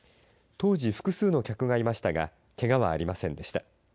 当時、複数の客がいましたがけがはありませんでした。